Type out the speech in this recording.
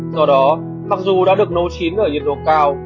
theo đó mặc dù đã được nấu chín ở nhiệt độ cao